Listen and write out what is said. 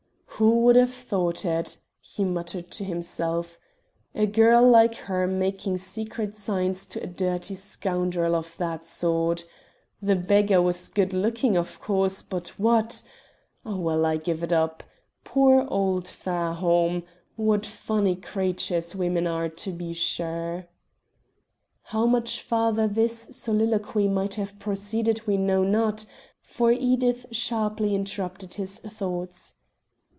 "Who would have thought it?" he muttered to himself. "A girl like her making secret signs to a dirty scoundrel of that sort. The beggar was good looking, of course; but what well, I give it up. Poor old Fairholme! What funny creatures women are, to be sure!" How much further this soliloquy might have proceeded he knew not, for Edith sharply interrupted his thoughts.